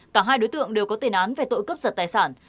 cả hai đối tượng đều có tên án về tội cướp giật tài sản